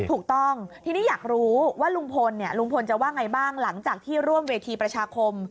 ถูกต้องทีนี้อยากรู้ว่าลุงพลลุงพลจะว่าไงบ้างหลังจากที่ร่วมเวทีประชาคม